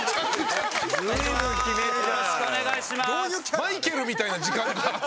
マイケルみたいな時間があった。